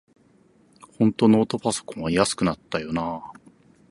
ほんとノートパソコンは安くなったよなあ